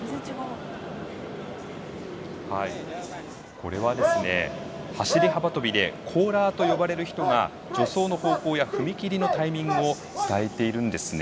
これは、走り幅跳びでコーラーと呼ばれる人が助走の方向や踏み切りのタイミングを伝えているんです。